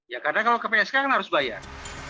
ya karena kalau ke psk kan harus bayar